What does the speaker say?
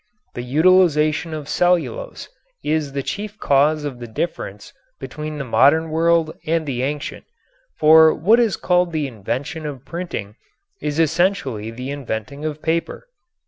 This utilization of cellulose is the chief cause of the difference between the modern world and the ancient, for what is called the invention of printing is essentially the inventing of paper.